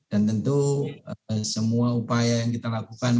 dan tentu semua upaya yang kita lakukan